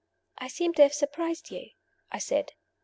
"I seem to have surprised you?" I said.